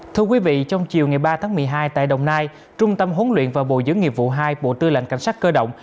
thưa quý vị trong chiều ngày ba tháng một mươi hai tại đồng nai trung tâm huấn luyện và bồi dưỡng nghiệp vụ hai bộ tư lệnh cảnh sát cơ động